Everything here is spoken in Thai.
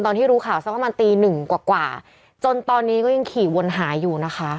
ตอนที่รู้ข่าวสักประมาณตีหนึ่งกว่ากว่าจนตอนนี้ก็ยังขี่วนหาอยู่นะคะ